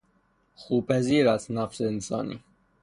خوپذیر است نفس انسانی